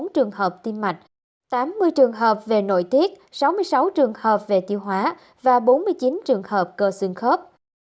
một trăm ba mươi bốn trường hợp tim mạch tám mươi trường hợp về nội tiết sáu mươi sáu trường hợp về tiêu hóa và bốn mươi chín trường hợp cơ xương khớp